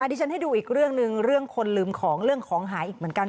ดิฉันให้ดูอีกเรื่องหนึ่งเรื่องคนลืมของเรื่องของหายอีกเหมือนกัน